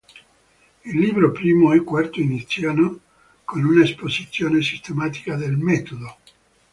Il libro primo e quarto iniziano con una esposizione sistematica del metodo.